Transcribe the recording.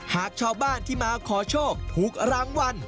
หากชาวบ้านที่มาขอโชคถูกรางวัล